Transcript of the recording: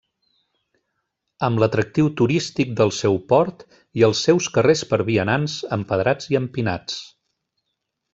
Amb l'atractiu turístic del seu port i els seus carrers per vianants, empedrats i empinats.